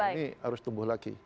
ini harus tumbuh lagi